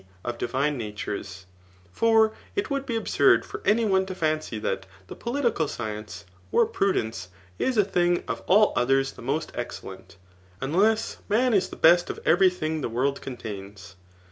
of divme natures]. For it would be absurd for any one to fancy that the political science, or pru* dence, is a thing of all others the most excellent, unless Digitized by Google CHAP. rii. ethics; 221 man is the best of every thing the world contains.